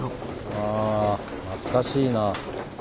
ああ懐かしいな。